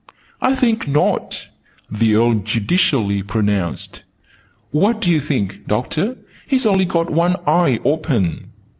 "I think not," the Earl judicially pronounced. "What do you think, Doctor? He's only got one eye open!"